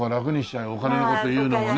お金の事言うのもね。